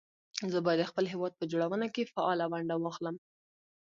زه بايد د خپل هېواد په جوړونه کې فعاله ونډه واخلم